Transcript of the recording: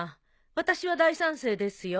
私は大賛成ですよ。